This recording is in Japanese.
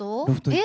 え？